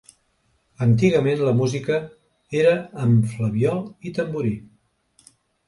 Antigament la música era amb flabiol i tamborí.